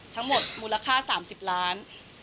ทั้งหมดมูลค่า๓๐ล้าน